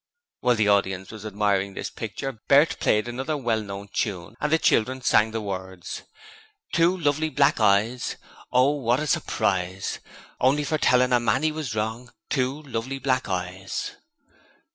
While the audience were admiring this picture, Bert played another well known tune, and the children sang the words: 'Two lovely black eyes, Oh what a surprise! Only for telling a man he was wrong, Two lovely black eyes.'